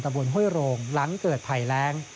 บนห้วยโรงหลังเกิดภัยแรง